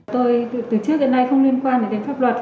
tôi từ trước đến nay không liên quan đến pháp luật